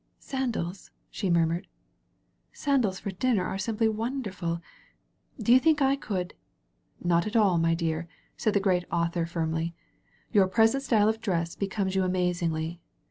"Sandals," she murmured, "sandals for dinner are simply wonderful. Do you think I could " "Not at all, my dear," said the Great Author firmly. "Your present style of dress becomes you amazingly.